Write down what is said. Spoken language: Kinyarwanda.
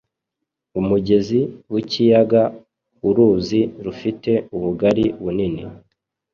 umugezi w’ikiyaga”uruzi rufite ubugari bunini